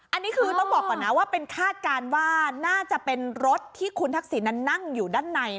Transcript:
อันนี้คือต้องบอกก่อนนะว่าเป็นคาดการณ์ว่าน่าจะเป็นรถที่คุณทักษิณนั้นนั่งอยู่ด้านใน